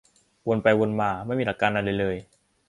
วนไปวนมา ไม่มีหลักการอะไรเลย